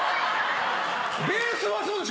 ベースはそうでしょ！